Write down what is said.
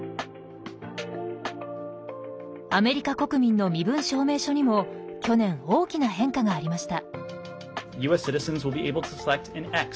アメリカ国民の身分証明書にも去年大きな変化がありました。